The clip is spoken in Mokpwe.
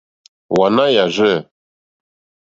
Wàná jáàrzɛ̂.